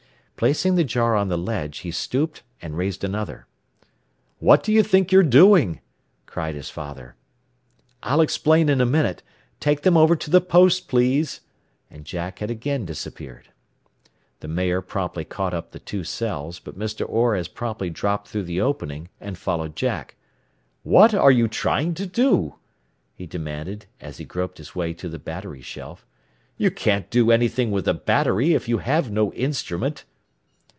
Placing the jar on the ledge, he stooped, and raised another. "What do you think you are doing?" cried his father. "I'll explain in a minute. Take them over to the post, please." And Jack had again disappeared. The mayor promptly caught up the two cells, but Mr. Orr as promptly dropped through the opening and followed Jack. "What are you trying to do?" he demanded as he groped his way to the battery shelf. "You can't do anything with the battery if you have no instrument."